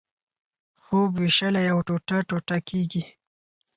خوب وېشلی او ټوټه ټوټه کېږي.